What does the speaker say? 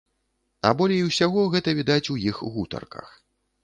А болей усяго гэта відаць у іх гутарках.